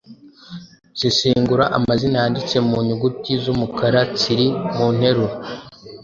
Sesengura amazina yanditse mu nyuguti z’umukara tsiri mu nterur